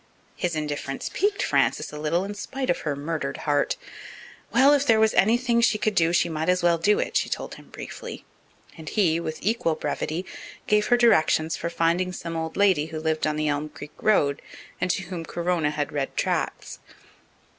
His indifference piqued Frances a little in spite of her murdered heart. Well, if there was anything she could do she might as well do it, she told him briefly, and he, with equal brevity, gave her directions for finding some old lady who lived on the Elm Creek road and to whom Corona had read tracts.